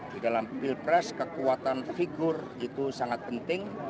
di dalam pilpres kekuatan figur itu sangat penting